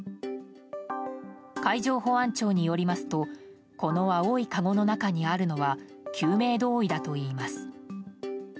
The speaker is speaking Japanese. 海上保安庁によりますとこの青いかごの中にあるのは救命胴衣だといいます。